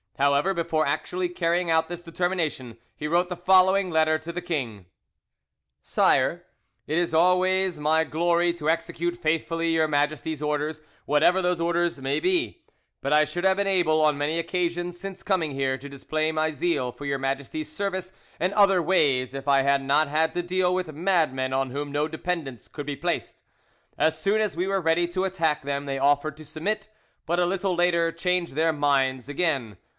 However, before actually carrying out this determination, he wrote the following letter to the king: "SIRE,—It is always my glory to execute faithfully your Majesty's orders, whatever those orders may be; but I should have been able, on many occasions since coming here, to display my zeal for your Majesty's service in other ways if I had not had to deal with madmen on whom no dependence could be placed. As soon as we were ready to attack them, they offered to submit, but a little later changed their minds again.